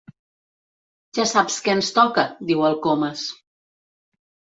Ja saps què ens toca —diu el Comas.